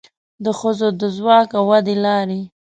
د ښځو د ځواک او ودې لارې